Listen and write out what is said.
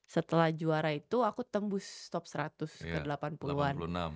setelah juara itu aku tembus top seratus ke delapan puluh an